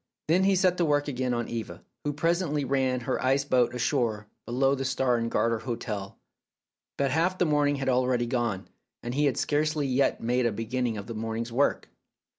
Then he set to work again on Eva, who presently ran her ice boat ashore below the Star and Garter hotel. But half the morning had already gone, and he had scarcely yet made a beginning of the morning's work.